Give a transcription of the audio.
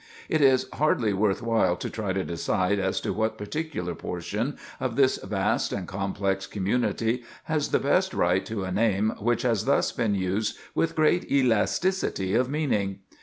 It is hardly worth while to try to decide as to what particular portion of this vast and complex community has the best right to a name which has thus been used with great elasticity of meaning.